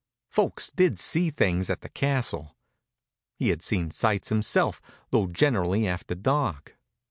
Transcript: Folks did see things at the castle; he had seen sights himself, though generally after dark.